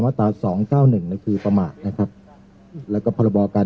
ตราสองเก้าหนึ่งนี่คือประมาทนะครับแล้วก็พรบการ